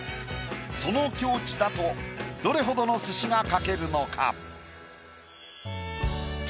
その境地だとどれほどの寿司が描けるのか？